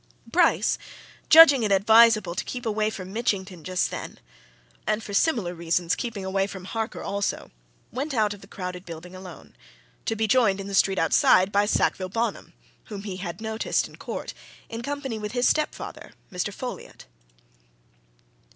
Bryce, judging it advisable to keep away from Mitchington just then, and, for similar reasons, keeping away from Harker also, went out of the crowded building alone to be joined in the street outside by Sackville Bonham, whom he had noticed in court, in company with his stepfather, Mr. Folliot.